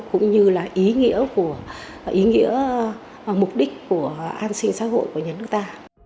cũng như là ý nghĩa mục đích của an sinh xã hội của nhân nước ta